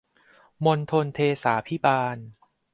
มณฑลเทศาภิบาล